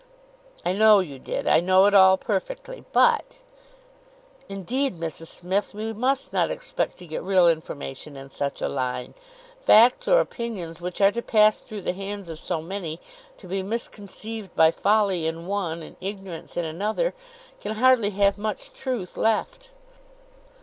"I know you did; I know it all perfectly, but—" "Indeed, Mrs Smith, we must not expect to get real information in such a line. Facts or opinions which are to pass through the hands of so many, to be misconceived by folly in one, and ignorance in another, can hardly have much truth left."